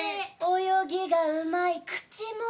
泳ぎがうまい口もうまい。